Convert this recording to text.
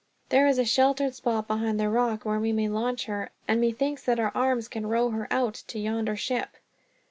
There is a sheltered spot behind that rock where we may launch her, and methinks that our arms can row her out to yonder ship."